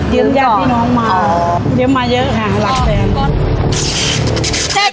ยืมก่อนอ๋อยืมมาเยอะค่ะลักแดง